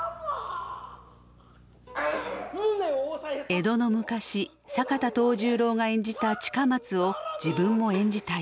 江戸の昔坂田藤十郎が演じた近松を自分も演じたい。